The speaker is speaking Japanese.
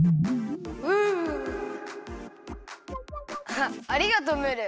あありがとうムール。